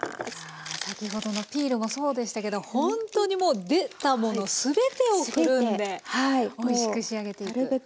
あ先ほどのピールもそうでしたけどほんとにもう出たもの全てをくるんでおいしく仕上げていく。